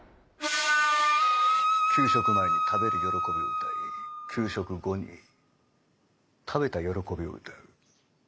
給食前に食べる喜びを歌い給食後に食べた喜びを歌う。